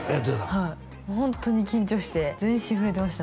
はいもうホントに緊張して全身震えてました